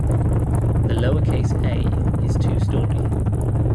The lowercase a is two-storey.